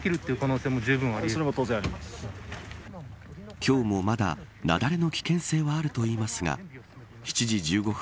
今日も、まだ雪崩の危険性はあるといいますが７時１５分